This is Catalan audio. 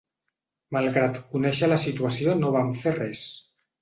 Malgrat conèixer la situació no van fer res.